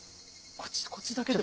こっちだけでも。